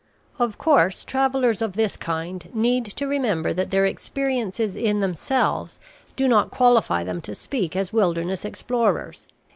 Of course travellers of this kind need to remember that their experiences in themselves do not qualify them to speak as wilderness explorers.